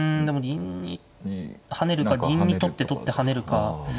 でも銀に跳ねるか銀に取って取って跳ねるか。